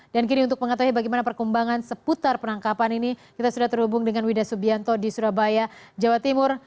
dan kini untuk mengetahui bagaimana perkembangan seputar penangkapan ini kita sudah terhubung dengan wida subianto di surabaya jawa timur